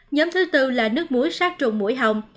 nhóm thứ tư là nước muối sát trùng mũi hồng